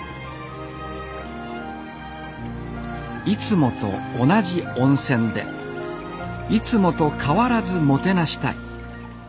いつもと同じ温泉でいつもと変わらずもてなしたい。